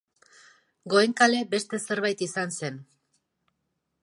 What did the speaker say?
Goenkale beste zerbait izan zen.